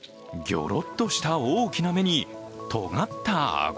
ぎょろっとした大きな目にとがった顎。